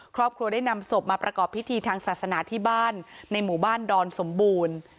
ครอบครัวได้นำศพมาประกอบพิธีทางศาสนาที่บ้านในหมู่บ้านดอนสมบูรณ์